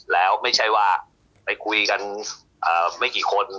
แล้วไม่ใช่ว่าไปคุยกันไม่กี่คน